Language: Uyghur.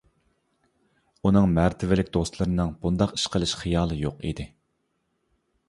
ئۇنىڭ مەرتىۋىلىك دوستلىرىنىڭ بۇنداق ئىش قىلىش خىيالى يوق ئىدى.